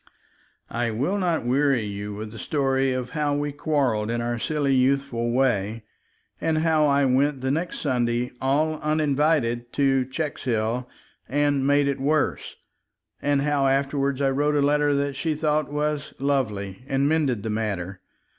I will not weary you with the story of how we quarreled in our silly youthful way, and how I went the next Sunday, all uninvited, to Checkshill, and made it worse, and how afterward I wrote a letter that she thought was "lovely," and mended the matter.